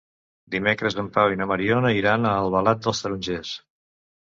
Dimecres en Pau i na Mariona iran a Albalat dels Tarongers.